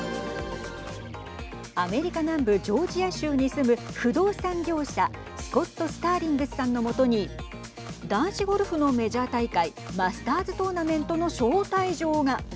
アメリカ南部ジョージア州に住む不動産業者スコット・スターリングスさんの元に男子ゴルフのメジャー大会マスターズ・トーナメントの招待状が。